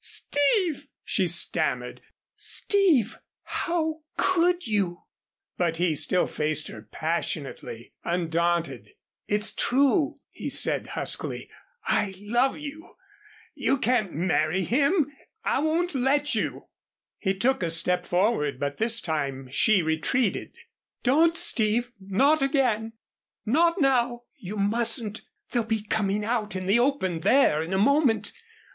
"Steve!" she stammered. "Steve! how could you?" But he still faced her passionately, undaunted. "It's true," he said huskily. "I love you you can't marry him I won't let you " He took a step forward but this time she retreated. "Don't, Steve not again not now you mustn't. They'll be coming out in the open there in a moment.